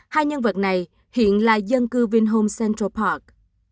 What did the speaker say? hai nhân vật này hiện là dân cư vinhom central park